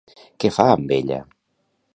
Què fa amb ella?